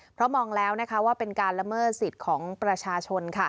เพราะมองแล้วว่าเป็นการละเมิดสิทธิ์ของประชาชน